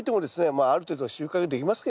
まあある程度は収穫できますけどね。